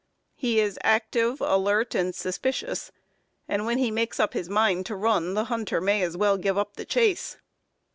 He is active, alert, and suspicious, and when he makes up his mind to run the hunter may as well give up the chase.